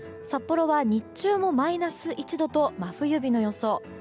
札幌は、日中もマイナス１度と真冬日の予想。